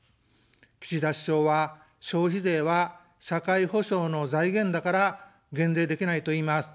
岸田首相は、「消費税は社会保障の財源だから減税できない」といいます。